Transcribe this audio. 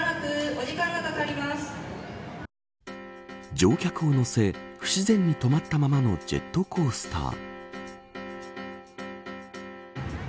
乗客を乗せ不自然に止まったままのジェットコースター。